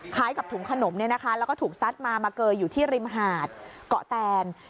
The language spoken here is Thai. กับถุงขนมแล้วก็ถูกซัดมามาเกยอยู่ที่ริมหาดเกาะแตน